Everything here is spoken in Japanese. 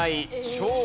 昭和。